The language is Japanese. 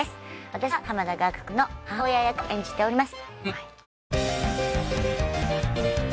私は濱田岳くんの母親役を演じております。